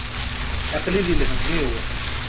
Aql-i di lhemm-iw.